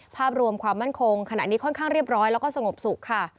ภาพรวมความมั่นคงขณะนี้ค่อนข้างเรียบร้อยแล้วก็สงบสุขค่ะ